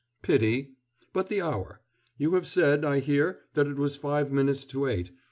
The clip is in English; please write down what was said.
"Pity.... But the hour. You have said, I hear, that it was five minutes to eight.